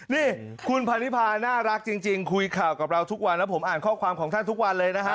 นี่คุณพันธิพาน่ารักจริงคุยข่าวกับเราทุกวันแล้วผมอ่านข้อความของท่านทุกวันเลยนะฮะ